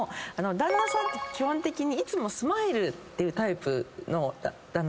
旦那さんって基本的にいつもスマイルっていうタイプの旦那さんって